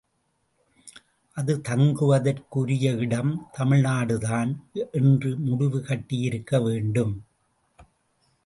அது தங்குவதற்குரியஇடம் தமிழ்நாடுதான் என்று முடிவு கட்டியிருக்க வேண்டும்.